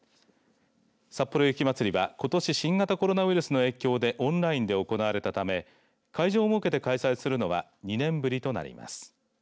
さっぽろ雪まつりは、ことし新型コロナウイルスの影響でオンラインで行われたため会場を設けて開催するのは２年ぶりとなります。